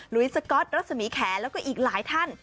สก๊อตรัศมีแขนแล้วก็อีกหลายท่าน